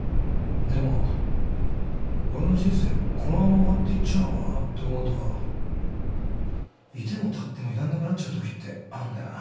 でも俺の人生このまま終わっていっちゃうのかなって思うと居ても立ってもいらんなくなっちゃうときってあんだよな。